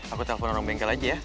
aku telpon orang bengkel aja ya